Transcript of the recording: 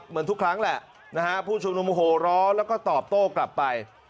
เหมือนทุกครั้งแหละนะฮะผู้ชุมนุมโหร้อแล้วก็ตอบโต้กลับไป